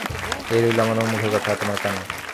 এ রইল আমার মুখে আর তোমার কানে।